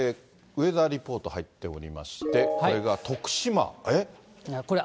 ウェザーリポート入っておりまして、これが徳島、えっ？